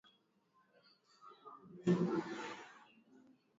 Nalitakasika kwa damu,